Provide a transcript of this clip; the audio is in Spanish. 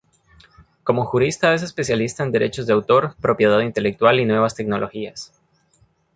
Como jurista es especialista en derechos de autor, propiedad intelectual y nuevas tecnologías.